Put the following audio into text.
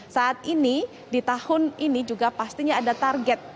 saat ini di tahun ini juga pastinya ada target